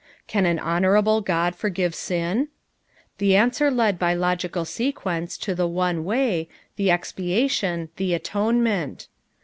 "Can an honorable God forgive sin?" The answer led by logical sequence to the one way, the expiation, the atonement.